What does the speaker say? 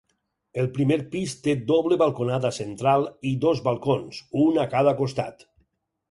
El primer pis té doble balconada central i dos balcons, un a cada costat.